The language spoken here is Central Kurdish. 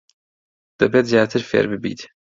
دەبێت زیاتر فێر ببیت.